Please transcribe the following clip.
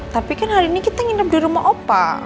tapi kan hari ini kita nginep di rumah opa